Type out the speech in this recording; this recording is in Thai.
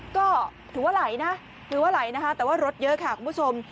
ก็ถือว่าไหลนะแต่ว่ารถเยอะค่ะคุณผู้ชม